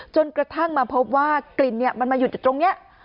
จนกระทั่งมาพบว่ากลิ่นมันมาหยุดอยู่ตรงนี้